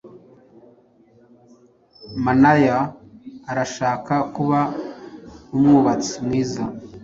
Manoya arashaka kuba umwubatsi mwiza.